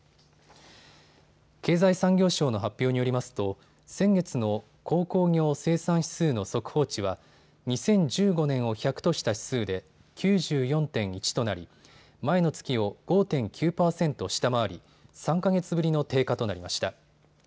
経済産業省の発表によりますと先月の鉱工業生産指数の速報値は２０１５年を１００とした指数で９４．１となり前の月を５．９％下回り３か月ぶりの低下となりました。